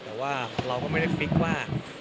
แต่ว่าเราก็ไม่ได้ฟิกว่า